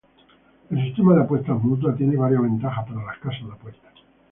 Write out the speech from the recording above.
El sistema de apuestas mutuas tiene varias ventajas para las casas de apuestas.